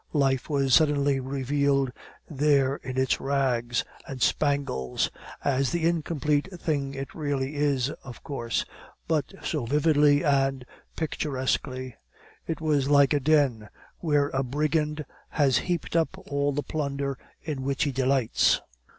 Life was suddenly revealed there in its rags and spangles as the incomplete thing it really is, of course, but so vividly and picturesquely; it was like a den where a brigand has heaped up all the plunder in which he delights.